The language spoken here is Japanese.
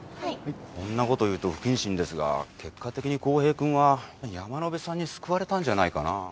こんな事を言うと不謹慎ですが結果的に浩平くんは山野辺さんに救われたんじゃないかな。